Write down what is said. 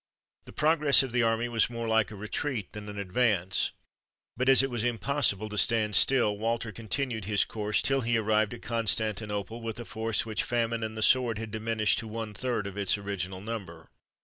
The progress of the army was more like a retreat than an advance; but as it was impossible to stand still, Walter continued his course till he arrived at Constantinople with a force which famine and the sword had diminished to one third of its original number.